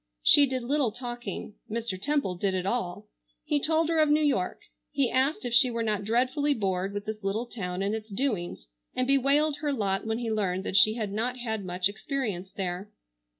She did little talking. Mr. Temple did it all. He told her of New York. He asked if she were not dreadfully bored with this little town and its doings, and bewailed her lot when he learned that she had not had much experience there.